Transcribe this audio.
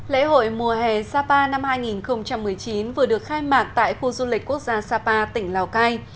lễ hội mùa hè sapa năm hai nghìn một mươi chín vừa được khai mạc tại khu du lịch quốc gia sapa tỉnh lào cai